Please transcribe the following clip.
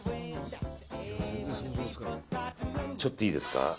ちょっといいですか。